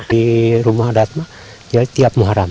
di rumah adat tiap muharam